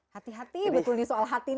hati hati betul nih soal hati